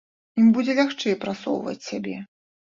Ім будзе лягчэй прасоўваць сябе.